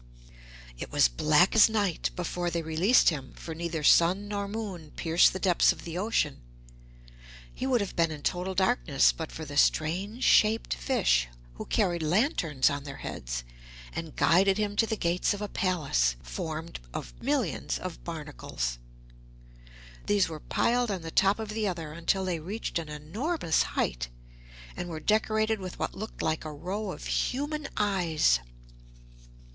It was black as night before they released him, for neither sun nor moon pierce the depths of the ocean. He would have been in total darkness but for the strange shaped fish who carried lanterns on their heads, and guided him to the gates of a palace, formed of millions of barnacles. These were piled one on the top of the other until they reached an enormous height, and were decorated with what looked like a row of human eyes.